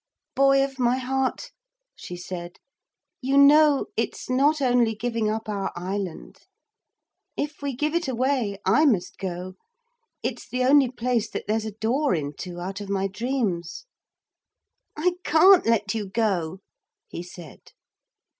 'Boy of my heart,' she said, 'you know it's not only giving up our island. If we give it away I must go. It's the only place that there's a door into out of my dreams.' 'I can't let you go,' he said.